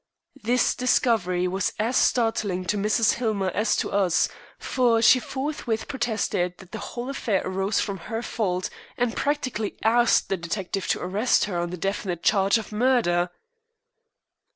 This discovery was as startling to Mrs. Hillmer as to us, for she forthwith protested that the whole affair arose from her fault, and practically asked the detective to arrest her on the definite charge of murder."